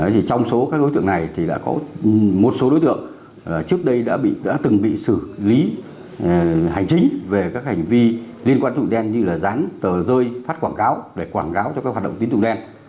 thì trong số các đối tượng này thì đã có một số đối tượng trước đây đã từng bị xử lý hành chính về các hành vi liên quan tụng đen như là dán tờ rơi phát quảng cáo để quảng cáo cho các hoạt động tín dụng đen